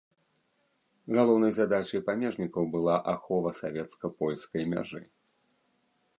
Галоўнай задачай памежнікаў была ахова савецка-польскай мяжы.